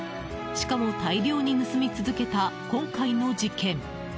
しかも、大量に盗み続けた今回の事件。